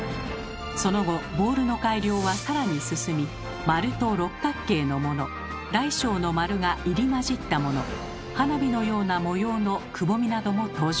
その後ボールの改良はさらに進み丸と六角形のもの大小の丸が入り交じったもの花火のような模様のくぼみなども登場。